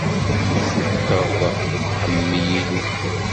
Tcukkeḍ deg uḥemmel inu?